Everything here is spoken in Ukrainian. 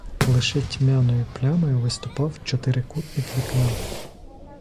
Лише тьмяною плямою виступав чотирикутник вікна.